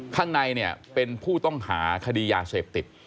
ข้างในเนี่ยเป็นผู้ต้องหาคดียาเสพติด